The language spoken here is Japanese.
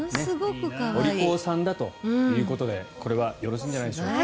お利口さんだということでこれはよろしいんじゃないでしょうか。